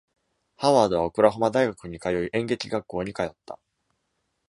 ハワードはオクラホマ大学に通い、演劇学校に通った。